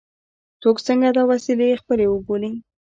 څوک څنګه دا وسیلې خپلې وبولي.